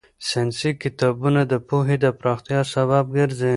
ساينسي کتابونه د پوهې د پراختیا سبب ګرځي.